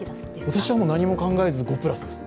私は何も考えず５＋です。